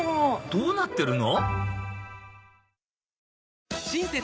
どうなってるの？